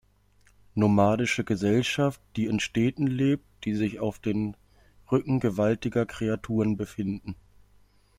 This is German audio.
Nomadische Gesellschaft die in Städten lebt die sich auf den Rücken gewaltiger Kreaturen befinden.